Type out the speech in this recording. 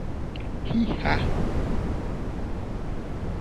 Xixa.